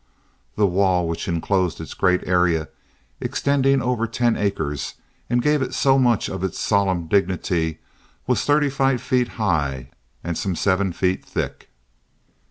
The wall which inclosed its great area extending over ten acres and gave it so much of its solemn dignity was thirty five feet high and some seven feet thick.